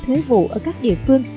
thuế vụ ở các địa phương